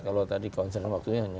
kalau tadi concern waktu hanya dua minggu